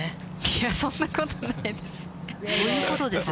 いや、そんなことないです。